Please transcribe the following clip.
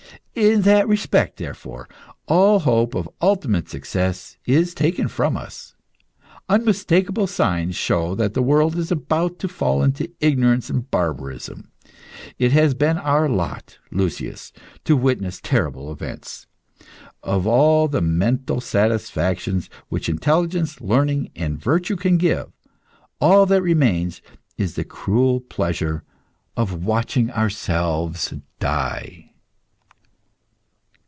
In that respect, therefore, all hope of ultimate success is taken from us. Unmistakable signs show that the world is about to fall into ignorance and barbarism. It has been our lot, Lucius, to witness terrible events. Of all the mental satisfactions which intelligence, learning, and virtue can give, all that remains is the cruel pleasure of watching ourselves die.